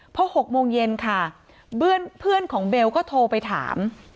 พอ๖โมงเย็นค่ะเพื่อนของเบลก็โทรไปถาม